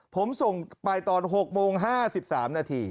ผมส่งไปตอน๖โมง๕๓นาที